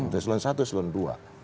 untuk seluruh satu seluruh dua